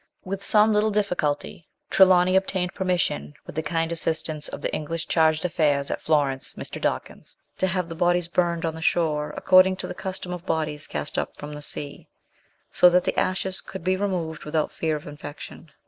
With some little difficulty, Trelawny obtained permission, with the kind assistance of the English Charge d'Affaires at Florence, Mr. Dawkins, to have the bodies burned on the shore, according to the custom of bodies cast up from the sea, so that the ashes could be removed without fear of infection.